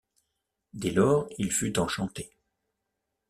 Dès lors, il fut enchanté.